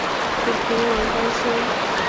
楚平王担心。